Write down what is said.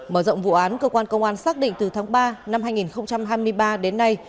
mở rộng vụ án cơ quan công an xác định từ tháng ba năm hai nghìn hai mươi ba đến nay